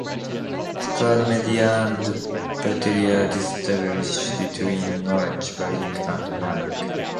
Scardamalia and Bereiter distinguish between knowledge building and learning.